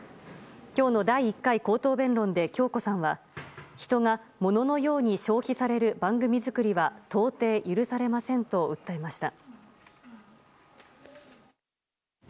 今日の第１回口頭弁論で響子さんは人がモノのように消費される番組作りは到底許されませんと訴えました。